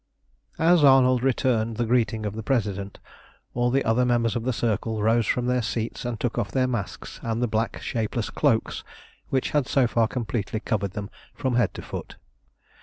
As Arnold returned the greeting of the President, all the other members of the Circle rose from their seats and took off their masks and the black shapeless cloaks which had so far completely covered them from head to foot.